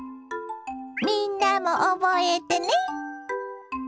みんなも覚えてね！